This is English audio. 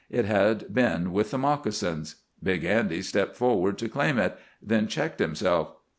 It had been with the moccasins. Big Andy stepped forward to claim it, then checked himself.